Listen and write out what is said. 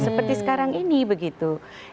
seperti sekarang ini begitu